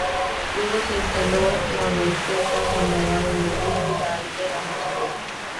Luego se instaló la Boite Casanova, donde Buddy Day era músico.